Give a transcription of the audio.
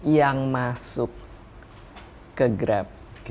yang masuk ke grab